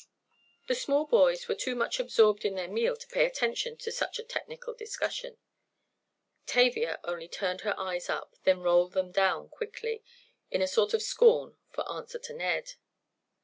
The small boys were too much absorbed in their meal to pay attention to such a technical discussion. Tavia only turned her eyes up, then rolled them down quickly, in a sort of scorn, for answer to Ned.